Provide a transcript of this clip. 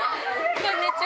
こんにちは。